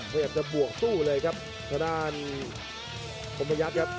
โปรดติดตามต่อไป